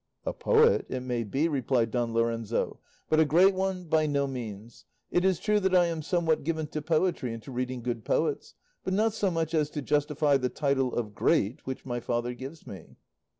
"A poet, it may be," replied Don Lorenzo, "but a great one, by no means. It is true that I am somewhat given to poetry and to reading good poets, but not so much so as to justify the title of 'great' which my father gives me."